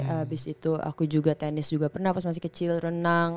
abis itu aku juga tenis juga pernah pas masih kecil renang